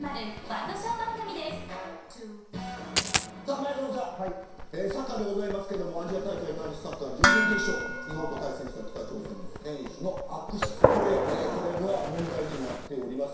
前園さん、サッカーですがアジア大会男子サッカー準々決勝日本と対戦した北朝鮮の選手の悪質プレーが問題になっております。